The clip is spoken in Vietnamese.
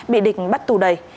bị địch bắt tù đầy